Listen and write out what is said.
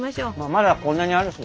まだこんなにあるし。